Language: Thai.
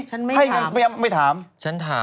ฉันไม่ถามหรอฉันถาม